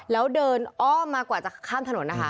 แล้วเดินอ้อมมากว่าจะข้ามถนนนะคะ